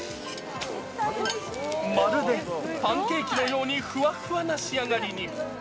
まるでパンケーキのようにふわふわな仕上がりに。